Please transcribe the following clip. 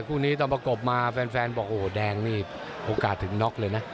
คู่นี้ตอนประกบมาแฟนบอกโอ้โหแดงนี่โอกาสถึงน็อกเลยนะ